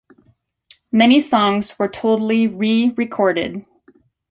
Many songs were totally re-recorded.